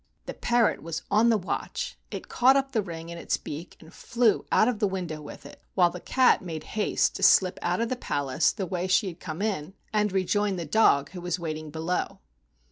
The parrot was on the watch; it caught up the ring in its beak and flew out of the win¬ dow with it, while the cat made haste to slip out of the palace the way she had come in and rejoin the dog, who was waiting below.